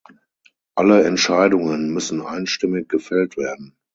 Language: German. Alle Entscheidungen müssen einstimmig gefällt werden.